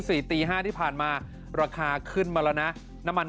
ตีห้าที่ผ่านมาราคาขึ้นมาแล้วนะน้ำมัน